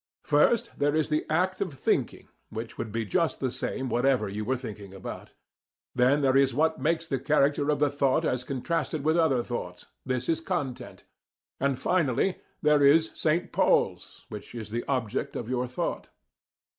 First, there is the act of thinking, which would be just the same whatever you were thinking about. Then there is what makes the character of the thought as contrasted with other thoughts; this is the content. And finally there is St. Paul's, which is the object of your thought.